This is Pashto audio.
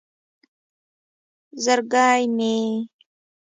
زرگی مې